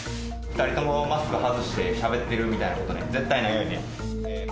２人ともマスク外してしゃべってるみたいなことは絶対ないよ